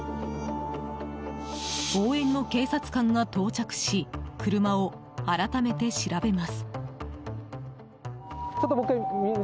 応援の警察官が到着し車を改めて調べます。